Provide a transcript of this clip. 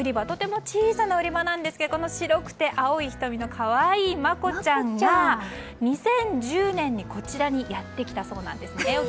とても小さな売場なんですがこの白くて青い瞳の可愛いマコちゃんが２０１０年にこちらにやってきたそうなんですね。